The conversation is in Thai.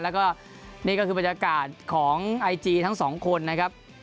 แล้วก็นี่ก็คือบรรยากาศของไอจีทั้งสองคนนะครับ